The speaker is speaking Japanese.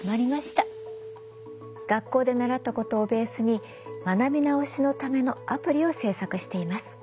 学校で習ったことをベースに学び直しのためのアプリを制作しています。